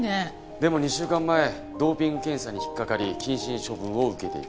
でも２週間前ドーピング検査に引っかかり謹慎処分を受けていた。